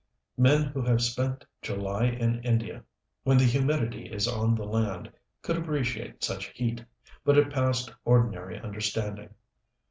Men who have spent July in India, when the humidity is on the land, could appreciate such heat, but it passed ordinary understanding.